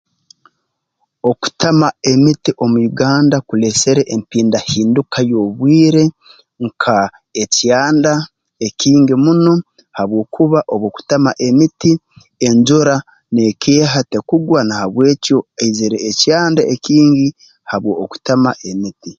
Okutema emiti omu Uganda kuleesere empindahinduka y'obwire nka ekyanda ekingi muno habwokuba obu okutema emiti enjura neekeeha tekugwa na habw'ekyo haizire ekyanda ekingi habwa okutema emiti